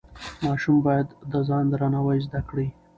ماشوم باید د ځان درناوی زده کړي.